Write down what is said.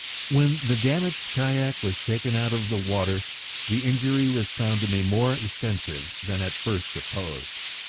When the damaged kayak was taken out of the water, the injury was found to be more extensive than at first supposed.